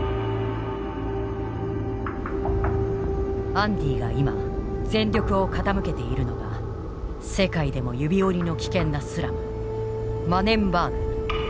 アンディが今全力を傾けているのが世界でも指折りの危険なスラムマネンバーグ。